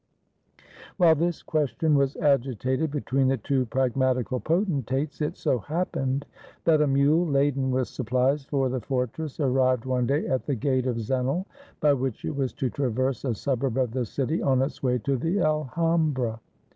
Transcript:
While this question was agitated between the two pragmatical potentates, it so happened that a mule laden with sup 468 THE GOVERNOR AND THE NOTARY plies for the fortress arrived one day at the gate of Xenil, by which it was to traverse a suburb of the city on its way to the Alhambra.